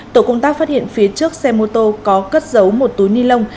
tổ công tác phát hiện phía trước xe mô tô có cất giấu một túi ni lông